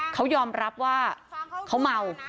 เขายอมรับว่าเขาเมา